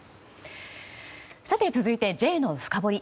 続いて、Ｊのフカボリ。